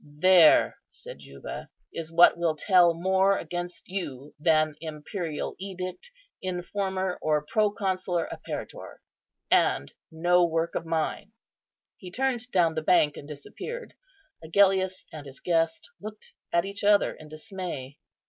"There," said Juba, "is what will tell more against you than imperial edict, informer, or proconsular apparitor; and no work of mine." He turned down the bank and disappeared. Agellius and his guest looked at each other in dismay.